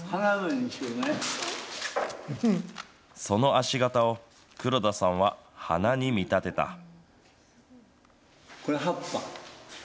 その足形を黒田さんは花に見立てた。